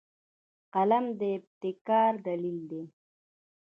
قلم د ابتکار دلیل دی